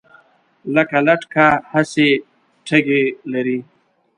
لکه لټکه هسې ټګي لري